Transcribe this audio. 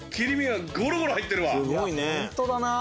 ホントだな。